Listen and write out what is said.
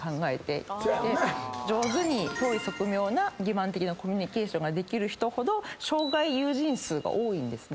上手に当意即妙な欺瞞的なコミュニケーションができる人ほど生涯友人数が多いんですね。